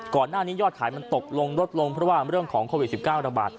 ก่อนหน้านี้ยอดขายมันตกลงลดลงเพราะว่าเรื่องของโควิด๑๙ระบาด